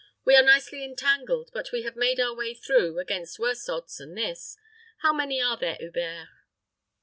"We are nicely entangled; but we have made our way through, against worse odds than this. How many are there, Hubert?"